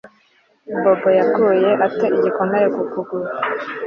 Bobo yakuye ate igikomere ku kuguru